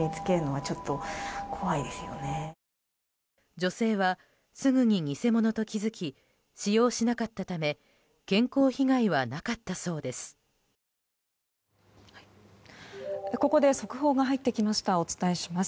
女性は、すぐに偽物と気づき使用しなかったため健康被害はなかったそうです。